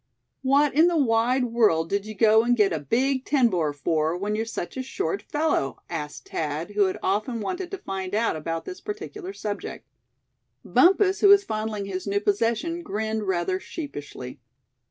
"What in the wide world did you go and get a big ten bore for, when you're such a short fellow?" asked Thad, who had often wanted to find out about this particular subject. Bumpus, who was fondling his new possession, grinned rather sheepishly.